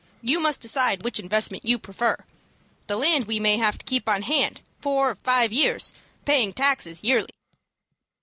You must decide which investment you prefer. The land we may have to keep on hand four or five years, paying taxes yearly."